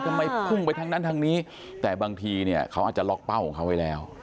พุ่งไปทางนั้นทางนี้แต่บางทีเนี่ยเขาอาจจะล็อกเป้าของเขาไว้แล้ว